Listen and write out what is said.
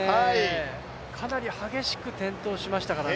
かなり激しく転倒しましたからね。